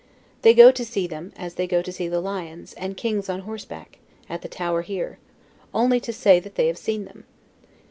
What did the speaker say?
They go to see them, as they go to see the lions, and kings on horseback, at the Tower here, only to say that they have seen them.